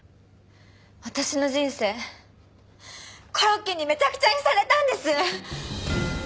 私の人生コロッケにめちゃくちゃにされたんです！